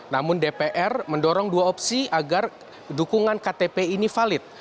namun dpr mendorong dua opsi agar dukungan ktp ini valid